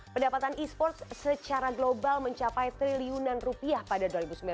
pendapatan e sports secara global mencapai triliunan rupiah pada dua ribu sembilan belas